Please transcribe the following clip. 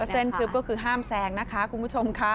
เส้นทึบก็คือห้ามแซงนะคะคุณผู้ชมค่ะ